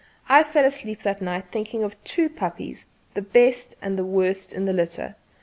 I fell asleep that night thinking of the two puppies the best and the worst in the litter.